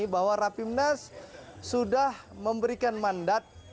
bahwa rapimnas sudah memberikan mandat